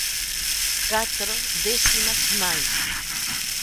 Catro décimas máis.